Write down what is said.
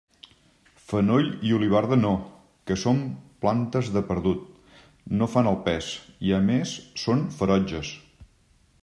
Fenoll i olivarda no, que són plantes de perdut, no fan el pes, i a més són ferotges.